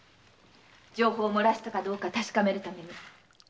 情報を漏らしたかどうか確かめるために。